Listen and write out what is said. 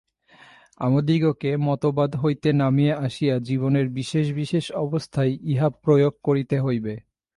আমাদিগকে মতবাদ হইতে নামিয়া আসিয়া জীবনের বিশেষ বিশেষ অবস্থায় ইহা প্রয়োগ করিতে হইবে।